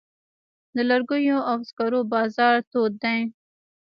د لرګیو او سکرو بازار تود دی؟